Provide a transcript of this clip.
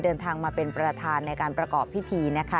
เดินทางมาเป็นประธานในการประกอบพิธีนะคะ